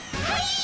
はい。